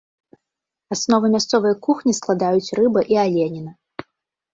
Аснову мясцовай кухні складаюць рыба і аленіна.